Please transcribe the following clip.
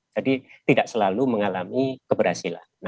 jadi tidak selalu mengalami keberhasilan